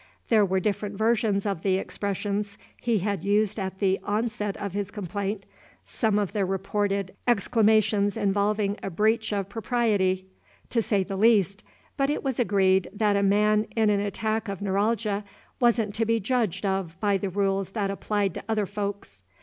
There were different versions of the expressions he had used at the onset of his complaint, some of the reported exclamations involving a breach of propriety, to say the least, but it was agreed that a man in an attack of neuralgy wasn't to be judged of by the rules that applied to other folks.